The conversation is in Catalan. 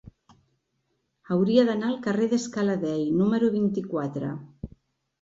Hauria d'anar al carrer de Scala Dei número vint-i-quatre.